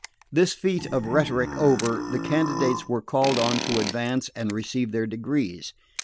This feat of rhetoric over, the candidates were called on to advance and receive their degrees.